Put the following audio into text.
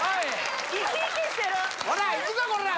おいほら行くぞこら！